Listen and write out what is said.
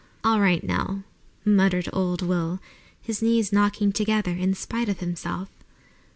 "All right, Nell," muttered old Will, his knees knocking together, in spite of himself.